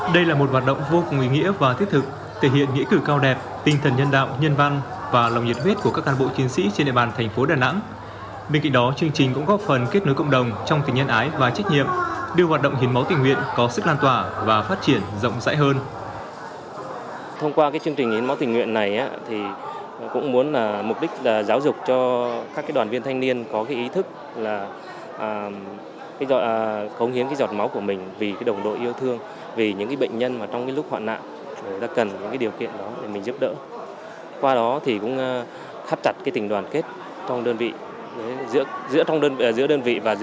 đây là phong trào rất là ý nghĩa và theo tôi thì cộng hợp đoàn tại miền trung đã rất tích cực và anh em đã đến đây từ sáng để đợi và hy vọng là chúng tôi sẽ giúp đỡ được cho nhiều người